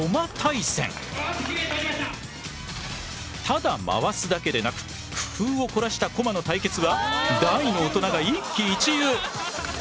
ただ回すだけでなく工夫を凝らしたコマの対決は大の大人が一喜一憂。